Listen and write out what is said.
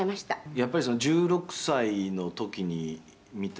「やっぱり１６歳の時に見た